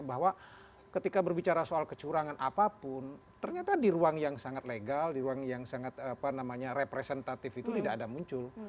bahwa ketika berbicara soal kecurangan apapun ternyata di ruang yang sangat legal di ruang yang sangat representatif itu tidak ada muncul